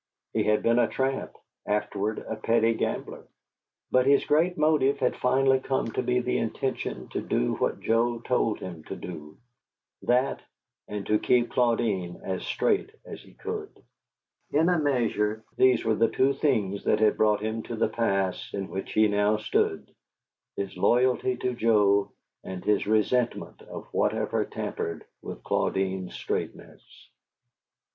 He had been a tramp, afterward a petty gambler; but his great motive had finally come to be the intention to do what Joe told him to do: that, and to keep Claudine as straight as he could. In a measure, these were the two things that had brought him to the pass in which he now stood, his loyalty to Joe and his resentment of whatever tampered with Claudine's straightness.